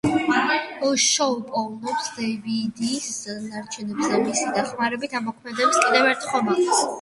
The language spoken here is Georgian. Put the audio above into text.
შოუ პოულობს დევიდის ნარჩენებს და, მისი დახმარებით, აამოქმედებს კიდევ ერთ ხომალდს.